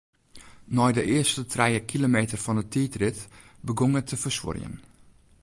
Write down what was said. Nei de earste trije kilometer fan 'e tiidrit begûn er te fersuorjen.